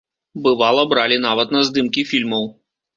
Бывала, бралі нават на здымкі фільмаў.